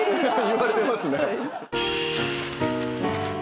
言われてますね。